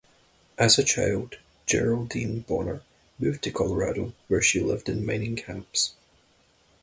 As a child, Geraldine Bonner moved to Colorado where she lived in mining camps.